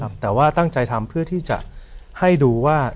แต่ว่าตั้งใจทำเพื่อที่จะให้ดูว่า